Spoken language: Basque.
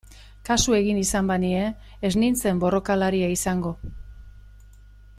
Kasu egin izan banie ez nintzen borrokalaria izango...